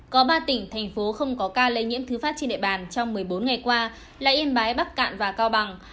có ba tỉnh thành phố không có ca lây nhiễm thứ phát trên địa bàn trong một mươi bốn ngày qua là yên bái bắc cạn và cao bằng